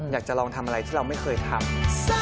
อยากจะลองทำอะไรที่เราไม่เคยทำ